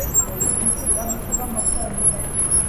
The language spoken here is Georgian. მისი წარმოშობა მოხდა ევროპაში.